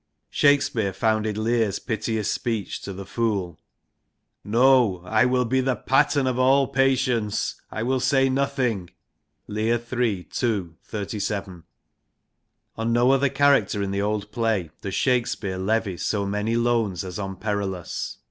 Shakespeare founded Lear's piteous speech to the Fool < No I will be the pattern of all patience, I will say nothing ' (Lear, III. ii. 37). On no other character in the old play does Shakespeare levy so many loans as on Perillus.